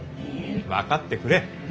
分かってくれ。